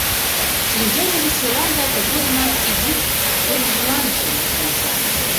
Шинчаже веселан да тыгодымак изиш тургыжланышын онча.